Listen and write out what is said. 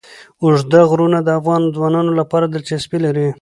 اوږده غرونه د افغان ځوانانو لپاره دلچسپي لري.